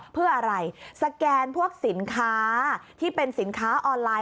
เพื่ออะไรสแกนพวกสินค้าที่เป็นสินค้าออนไลน